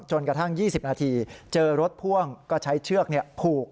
กระทั่ง๒๐นาทีเจอรถพ่วงก็ใช้เชือกผูก